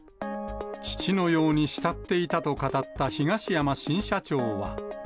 父のように慕っていたと語った東山新社長は。